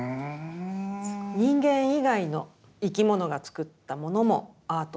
人間以外の生き物が作ったものもアート作品。